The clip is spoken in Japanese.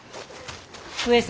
上様。